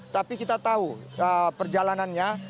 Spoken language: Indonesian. saya tahu perjalanannya